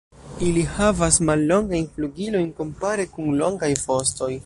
Ili havas mallongajn flugilojn kompare kun longaj vostoj.